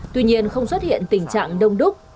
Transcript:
tuy nhiên không xuất hiện tình trạng đông đúc